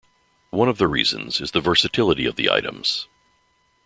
One of the reasons is the versatility of the items.